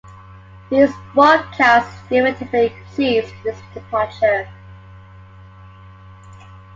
These broadcasts effectively ceased with his departure.